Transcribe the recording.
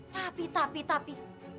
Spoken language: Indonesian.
tapi tapi tapi